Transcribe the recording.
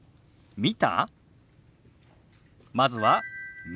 「見た？」。